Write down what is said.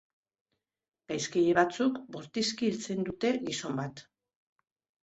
Gaizkile batzuk, bortizki hiltzen dute gizon bat.